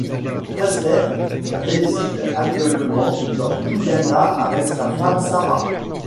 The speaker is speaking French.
Pressler réside actuellement dans l'Indiana avec sa femme Sara.